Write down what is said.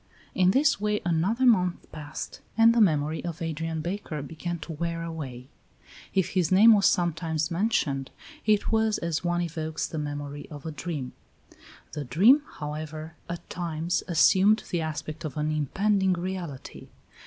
In this way another month passed, and the memory of Adrian Baker began to wear away; if his name was sometimes mentioned, it was as one evokes the memory of a dream. The dream, however, at times assumed the aspect of an impending reality.